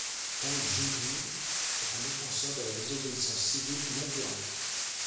Tang Jingling est un défenseur de la désobéissance civile non violente.